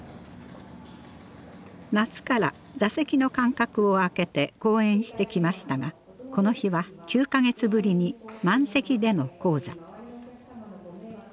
夏から座席の間隔を空けて公演してきましたがこの日は９か月ぶりに満席での高座。